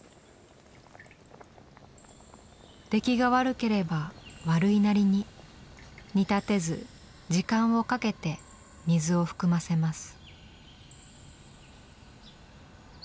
出来が悪ければ悪いなりに煮立てず時間をかけて水を含ませます。